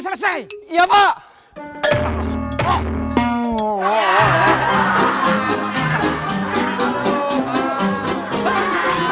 saya janji tidak akan telat lagi